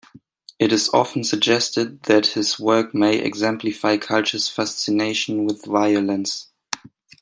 It is often suggested that his work may exemplify cultures' fascination with violence.